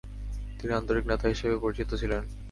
তিনি আন্তরিক নেতা হিসেবে পরিচিত ছিলেন।